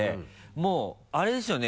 もうあれですよね？